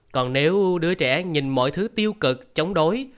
còn nếu đứa trẻ nhìn mọi thứ tiêu cực chống đối